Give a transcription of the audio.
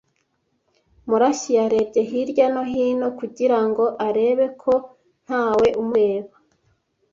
Murashyi yarebye hirya no hino kugira ngo arebe ko ntawe umureba.